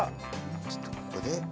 ちょっとここで。